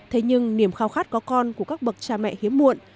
thế nhưng niềm khao khát có con của các bậc cha mẹ hiếm muộn